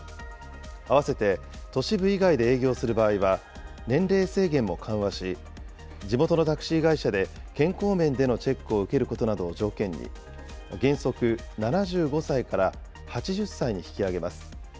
併せて都市部以外で営業する場合は、年齢制限も緩和し、地元のタクシー会社で健康面でのチェックを受けることなどを条件に、原則７５歳から８０歳に引き上げます。